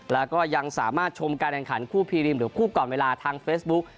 แล้วก็ยังสามารถชมการแข่งขันคู่พีรีมหรือคู่ก่อนเวลาทางเฟซบุ๊ก